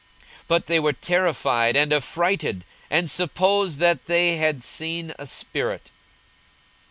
42:024:037 But they were terrified and affrighted, and supposed that they had seen a spirit.